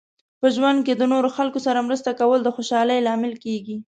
په ژوند کې د نورو خلکو سره مرسته کول د خوشحالۍ لامل کیږي.